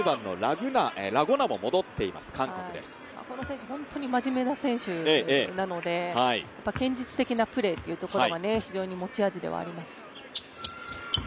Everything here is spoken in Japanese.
この選手、本当に真面目な選手なので堅実的なプレーというところが非常に持ち味ではあります。